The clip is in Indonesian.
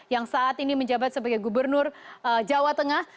yang saat ini menjabat sebagai gubernur jawa tengah